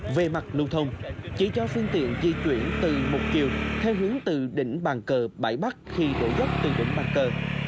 về mặt lưu thông chỉ cho phương tiện di chuyển từ một chiều theo hướng từ đỉnh bàn cờ bãi bắc khi đổ gấp từ đỉnh bàn cờ